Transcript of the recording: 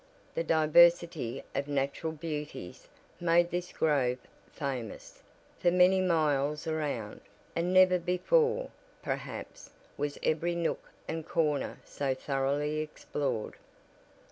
The diversity of natural beauties made this grove famous, for many miles around, and never before, perhaps, was every nook and corner so thoroughly explored.